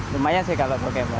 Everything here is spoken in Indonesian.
lumayan sih kalau pokemon